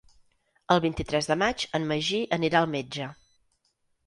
El vint-i-tres de maig en Magí anirà al metge.